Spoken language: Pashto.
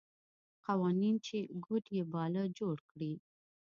قوانین چې کوډ یې باله جوړ کړي.